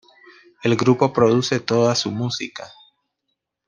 El grupo produce toda su música.